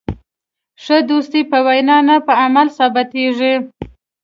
ښه دوستي په وینا نه، په عمل ثابتېږي.